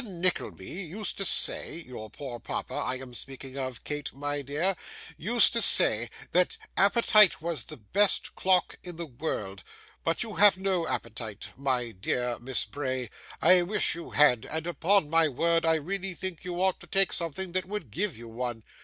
Nickleby used to say your poor papa, I am speaking of, Kate my dear used to say, that appetite was the best clock in the world, but you have no appetite, my dear Miss Bray, I wish you had, and upon my word I really think you ought to take something that would give you one.